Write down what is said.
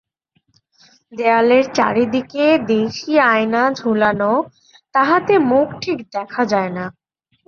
দেয়ালের চারিদিকে দেশী আয়না ঝুলানাে, তাহাতে মুখ ঠিক দেখা যায় না।